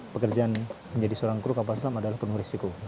pekerjaan menjadi seorang kru kapal selam adalah penuh risiko